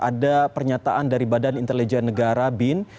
ada pernyataan dari badan intelijen negara bin